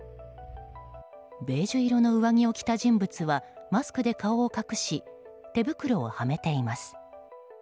ベージュ色の上着を着た人物はマスクで顔を隠し手袋をはめています。